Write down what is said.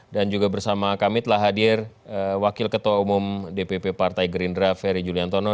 dan juga bersama kami telah hadir wakil ketua umum dpp partai green draft ferry juliantono